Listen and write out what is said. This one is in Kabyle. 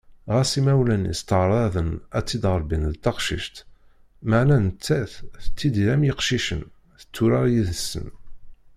Ɣas imawlan-is ttaεraḍen ad tt-id-rebbin d taqcict, meɛna nettat tettidir am yiqcicen: tetturar yid-sen.